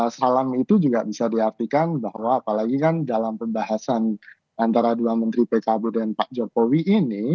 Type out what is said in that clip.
salam itu juga bisa diartikan bahwa apalagi kan dalam pembahasan antara dua menteri pkb dan pak jokowi ini